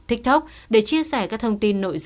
tiktok để chia sẻ các thông tin nội dung